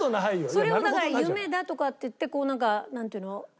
それをだから「夢だ」とか言ってこうなんかなんていうの？